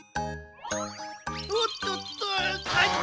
おっとっとあた！